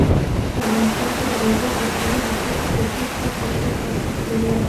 په افغانستان کې د اوبو سرچینې د خلکو د ژوند په کیفیت تاثیر کوي.